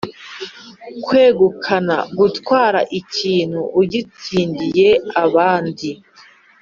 kwegukana: gutwara ikintu ugitsindiye abandi.